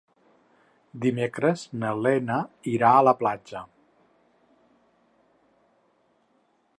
Dimecres na Lena irà a la platja.